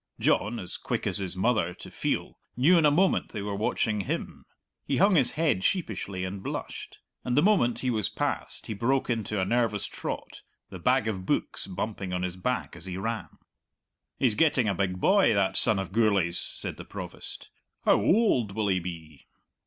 John, as quick as his mother to feel, knew in a moment they were watching him. He hung his head sheepishly and blushed, and the moment he was past he broke into a nervous trot, the bag of books bumping on his back as he ran. "He's getting a big boy, that son of Gourlay's," said the Provost; "how oald will he be?"